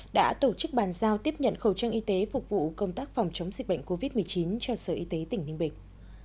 đã tổ chức bàn giao tiếp nhận khẩu trang y tế phục vụ công tác phòng chống dịch bệnh covid một mươi chín cho sở y tế tỉnh ninh bình